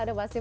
ada basi pun